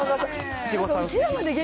七五三。